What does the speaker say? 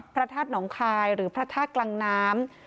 พระธาตุหนองคายหรือพระธาตุกลางน้ำ